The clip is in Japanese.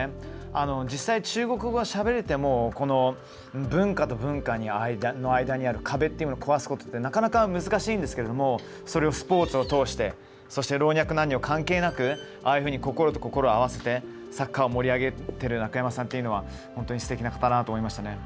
実際、中国語がしゃべれても文化と文化の間にある壁というものを壊すのはなかなか難しいんですがそれをスポーツを通して老若男女関係なく心と心を合わせてサッカーを盛り上げている楽山さんは、本当にすてきな方だなと思いました。